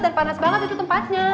dan panas banget itu tempatnya